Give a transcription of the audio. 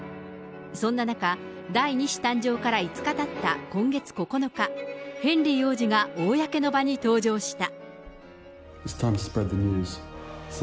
そんな中、第２子誕生から５日たった今月９日、ヘンリー王子が公の場に登場した。